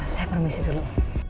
saya permisi dulu